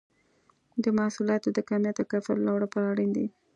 د محصولاتو د کمیت او کیفیت لوړولو لپاره اړین دي.